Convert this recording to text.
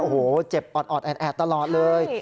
โอ้โหเจ็บออดแอดตลอดเลย